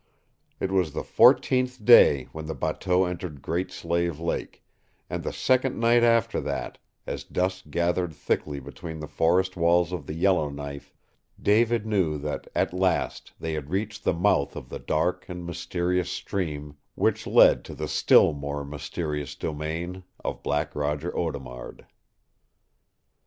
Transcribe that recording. It was the fourteenth day when the bateau entered Great Slave Lake, and the second night after that, as dusk gathered thickly between the forest walls of the Yellowknife, David knew that at last they had reached the mouth of the dark and mysterious stream which led to the still more mysterious domain of Black Roger Audemard.